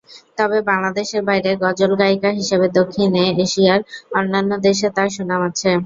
তবে বাংলাদেশের বাইরে গজল গায়িকা হিসাবে দক্ষিণ এশিয়ার অন্যান্য দেশে তার সুনাম আছে।